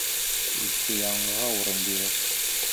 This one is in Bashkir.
Иҫке яңыға урын бирер.